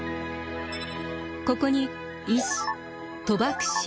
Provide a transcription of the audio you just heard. ここに医師賭博師